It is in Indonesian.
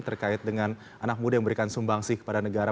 terkait dengan anak muda yang memberikan sumbangsih kepada negara